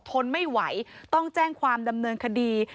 ทนไม่ไหวต้องแจ้งความดำเนินคดี